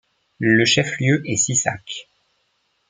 Le chef-lieu est Sissach.